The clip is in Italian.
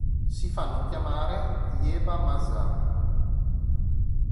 Si fanno chiamare "Yeba-masã".